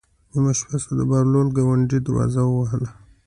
نیمه شپه شوه د بهلول ګاونډي دروازه ووهله.